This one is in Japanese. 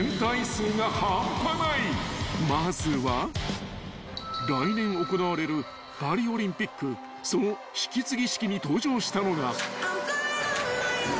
［まずは来年行われるパリオリンピックその引き継ぎ式に登場したのが］